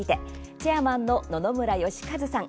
チェアマンの野々村芳和さん